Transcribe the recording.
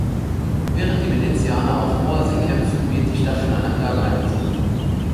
Während die Venezianer auf hoher See kämpfen, wird die Stadt von einer Plage heimgesucht.